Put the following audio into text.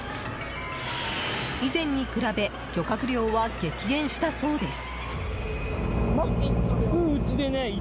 以前に比べ漁獲量は激減したそうです。